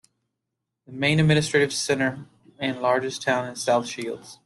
The main administrative centre and largest town is South Shields.